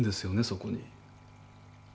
そこに。